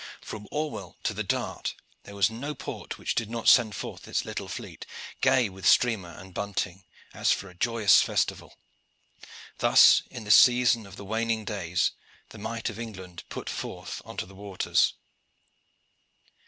From Orwell to the Dart there was no port which did not send forth its little fleet, gay with streamer and bunting, as for a joyous festival. Thus in the season of the waning days the might of England put forth on to the waters.